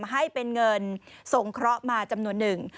ให้เป็นเงินสงเคราะห์มาจำนวนหนึ่ง